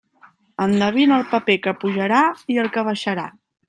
Endevina el paper que pujarà i el que baixarà.